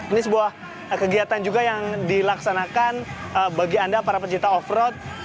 ini sebuah kegiatan juga yang dilaksanakan bagi anda para pencipta off road